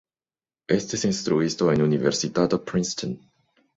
Estis instruisto en Universitato Princeton.